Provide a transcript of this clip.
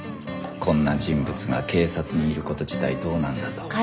こんな人物が警察にいる事自体どうなんだと